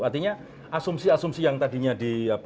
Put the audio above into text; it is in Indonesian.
artinya asumsi asumsi yang tadinya di